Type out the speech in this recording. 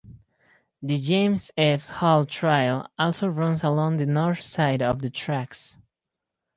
The James F. Hall trail also runs along the north side of the tracks.